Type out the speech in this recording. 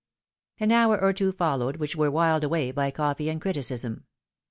An hour or two, followed, which were wiled away by coffee and criticism.